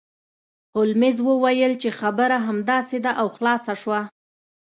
هولمز وویل چې خبره همداسې ده او خلاصه شوه